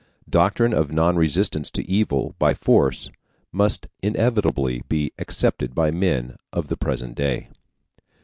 DOCTRINE OF NON RESISTANCE TO EVIL BY FORCE MUST INEVITABLY BE ACCEPTED BY MEN OF THE PRESENT DAY.